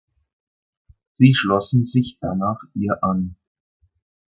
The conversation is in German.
Sie schlossen sich danach ihr an.